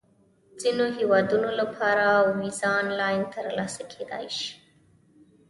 د ځینو هیوادونو لپاره ویزه آنلاین ترلاسه کېدای شي.